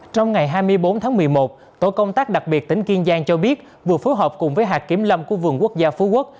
trong ngày hai mươi bốn tháng một mươi một tổ công tác đặc biệt tỉnh kiên giang cho biết vừa phối hợp cùng với hạt kiểm lâm của vườn quốc gia phú quốc